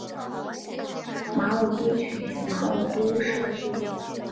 马武督群马武督社地。